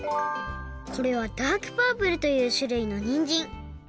これはダークパープルというしゅるいのにんじん。